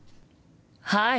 はい！